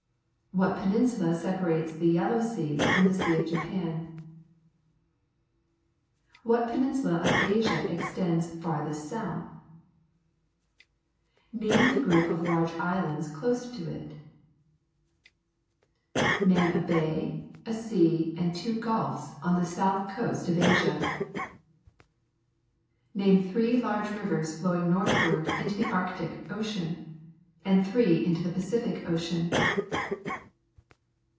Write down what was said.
What peninsula sejiar ates the Yellow Sea from the Sea of Japan ? What peninsula of Asia extends farthest south ? Name the group of large islands close to it. Name a bay, a sea, and two gulfs on the south coast of Asia. Name three large rivers flowing northward into the Arctic Ocean, and three into the Pacific Ocean.